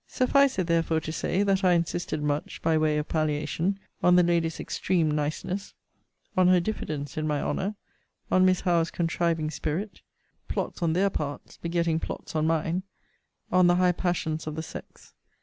Suffice it, therefore, to say, that I insisted much, by way of palliation, on the lady's extreme niceness: on her diffidence in my honour: on Miss Howe's contriving spirit; plots on their parts begetting plots on mine: on the high passions of the sex.